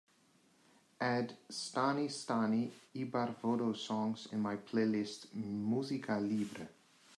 add Stani, stani Ibar vodo songs in my playlist música libre